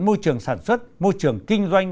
môi trường sản xuất môi trường kinh doanh